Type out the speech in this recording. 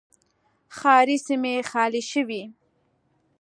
ښاري سیمې خالي شوې.